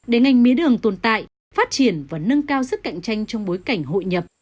để ngành mía đường tồn tại phát triển và nâng cao sức cạnh tranh trong bối cảnh hội nhập